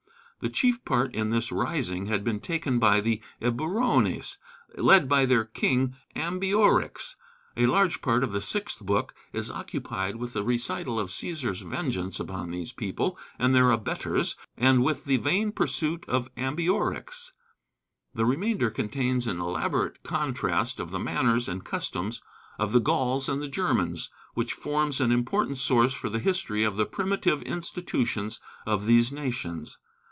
The chief part in this rising had been taken by the Eburones, led by their king Ambiorix. A large part of the sixth book is occupied with the recital of Cæsar's vengeance upon these people and their abettors, and with the vain pursuit of Ambiorix. The remainder contains an elaborate contrast of the manners and customs of the Gauls and Germans, which forms an important source for the history of the primitive institutions of these nations.